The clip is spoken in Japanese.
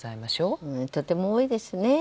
とても多いですね。